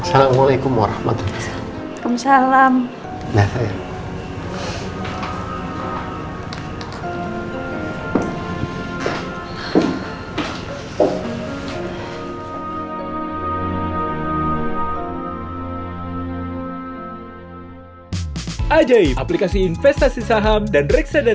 assalamualaikum warahmatullahi wabarakatuh